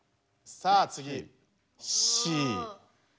さあ次Ｃ。